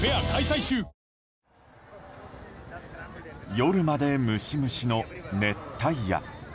夜までムシムシの熱帯夜。